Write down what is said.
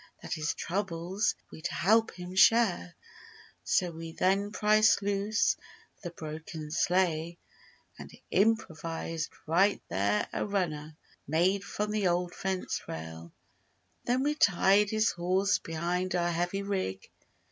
That his troubles we'd help him share— So we then pried loose the broken sleigh And improvised right there A "runner" made from the old fence rail. Then we tied his horse behind Our heavy rig.